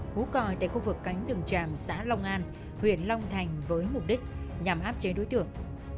hú còi tại khu vực cánh rừng tràm xã long an huyện long thành với mục đích nhằm áp chế đối tượng